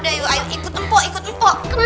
udah yuk ikut mpok ikut mpok